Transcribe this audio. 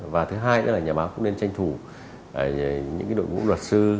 và thứ hai nữa là nhà báo cũng nên tranh thủ những đội ngũ luật sư